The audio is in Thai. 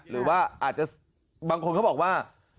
หรือว่าบางคนเขาบอกว่า